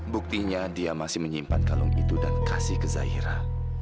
buktinya dia masih menyimpan kalung itu dan kasih ke zahira